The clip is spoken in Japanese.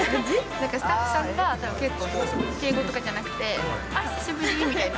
なんかスタッフさんが結構、敬語とかじゃなくて、あっ、久しぶりみたいな。